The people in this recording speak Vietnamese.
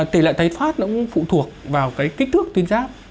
tỷ lệ tái phát cũng phụ thuộc vào kích thước tuyến giáp